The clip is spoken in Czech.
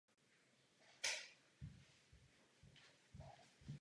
Dnes jsme nediskutovali o tom, jaká řešení jsou zapotřebí.